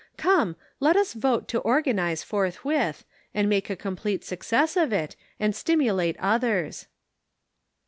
Come, let us vote to organize forthwith, and make a complete success of it, and stimulate others."